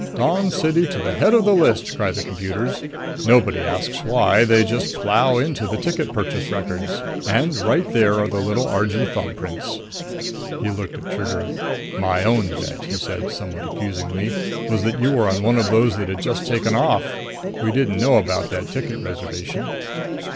'Dawn City to the head of the list!' cry the computers. Nobody asks why. They just plow into the ticket purchase records. And right there are the little Argee thumbprints!" He looked at Trigger. "My own bet," he said, somewhat accusingly, "was that you were one of those that had just taken off. We didn't know about that ticket reservation."